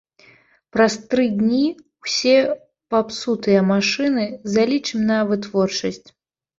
Праз тры дні ўсе папсутыя машыны залічым на вытворчасць.